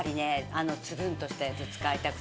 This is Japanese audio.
あのつるんとしたやつ使いたくて。